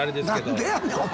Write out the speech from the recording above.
何でやねんお前！